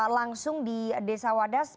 langsung di desa wadas